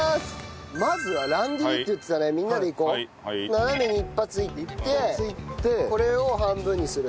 斜めに一発いってこれを半分にする。